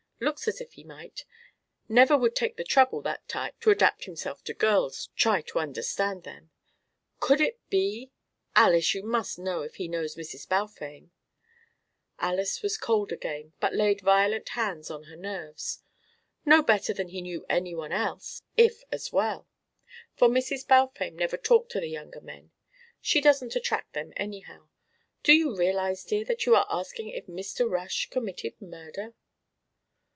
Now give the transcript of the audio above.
Looks as if he might. Never would take the trouble, that type, to adapt himself to girls, try to understand them. Could it be Alys, you must know if he knows Mrs. Balfame!" Alys was cold again but laid violent hands on her nerves. "No better than he knew any one else, if as well, for Mrs. Balfame never talked to the younger men. She doesn't attract them, anyhow. Do you realise, dear, that you are asking if Mr. Rush committed murder?"